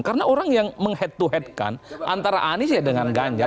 karena orang yang menghead to head kan antara anies ya dengan ganjar